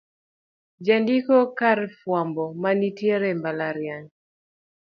jandiko e kar jofwambo manitie e mbalariany